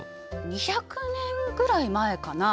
２００年ぐらい前かな。